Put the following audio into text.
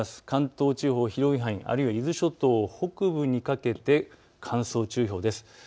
関東地方、広い範囲、あるいは伊豆諸島北部にかけて乾燥注意報です。